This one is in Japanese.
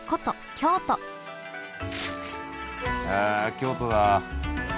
京都だ。